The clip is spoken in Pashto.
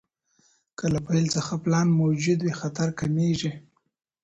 که له پیل څخه پلان موجود وي، خطر کمېږي.